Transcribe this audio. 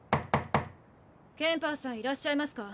ケンパーさんいらっしゃいますか。